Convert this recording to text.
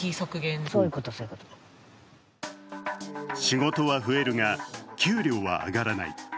仕事は増えるが給料は上がらない。